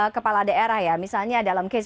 kepala daerah ya misalnya dalam case